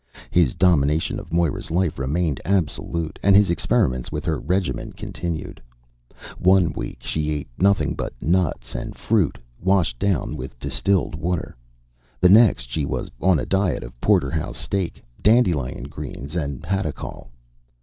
His domination of Moira's life remained absolute, and his experiments with her regimen continued. One week, she ate nothing but nuts and fruit, washed down with distilled water; the next, she was on a diet of porterhouse steak, dandelion greens and Hadacol.